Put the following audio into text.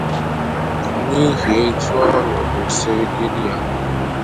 n'ihi etu ọnọdụ siri dịrị ya